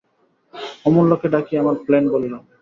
অমূল্যকে ডাকিয়া আমার প্ল্যান বলিলাম।